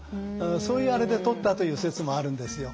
そういうあれでとったという説もあるんですよ。